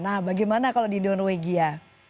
nah bagaimana kalau di norwegia